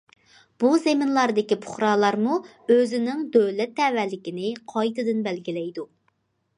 بۇ زېمىنلاردىكى پۇقرالارمۇ ئۆزىنىڭ دۆلەت تەۋەلىكىنى قايتىدىن بەلگىلەيدۇ.